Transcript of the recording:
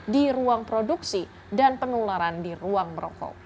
di ruang produksi dan penularan di ruang merokok